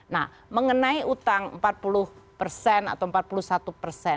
nah mengenai utang empat puluh atau empat puluh satu